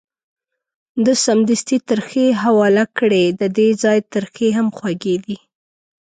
ده سمدستي ترخې حواله کړې، ددغه ځای ترخې هم خوږې دي.